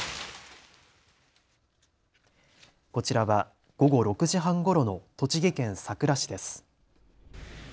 こちらは午後６時半ごろの栃木県さくら市です。